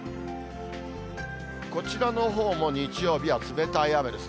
こちらのほうも日曜日は冷たい雨です。